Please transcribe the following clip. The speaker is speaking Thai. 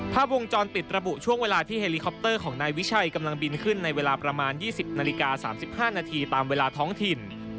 ภาพวงจรปิดระบุช่วงเวลาที่เฮลิคอปเตอร์ของนายวิชัยกำลังบินขึ้นในเวลาประมาณ๒๐นาฬิกา๓๕นาทีตามเวลาท้องถิ่น